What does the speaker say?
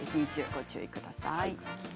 ご注意ください。